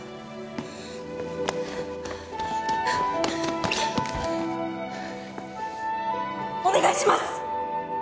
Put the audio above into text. お願いします。